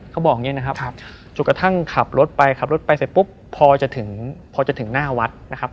เขาบอกอย่างนี้นะครับจนกระทั่งขับรถไปขับรถไปเสร็จปุ๊บพอจะถึงพอจะถึงหน้าวัดนะครับ